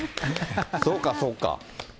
そうか、そうか。